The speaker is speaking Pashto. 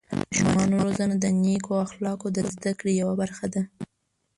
د ماشومانو روزنه د نیکو اخلاقو د زده کړې یوه برخه ده.